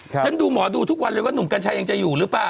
ฉันดูหมอดูทุกวันเลยว่าหนุ่มกัญชัยยังจะอยู่หรือเปล่า